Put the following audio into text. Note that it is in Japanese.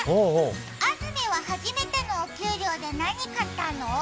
あずみは初めてのお給料で何買ったの？